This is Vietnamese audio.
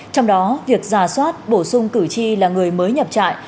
trong đó việc giả soát bổ sung cử tri là người mới nhập trại